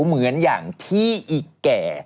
เหมือนอย่างที่อีแก่